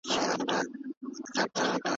د علم لپاره هیڅ تعریف نه دی وړاندې سوی.